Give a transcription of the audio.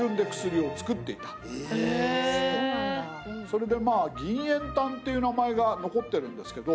それでまあ銀液丹っていう名前が残ってるんですけど。